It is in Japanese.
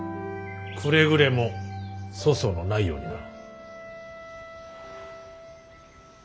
くれぐれも粗相のないようにな。